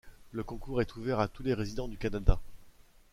Le concours est ouvert à tous les résidents du Canada.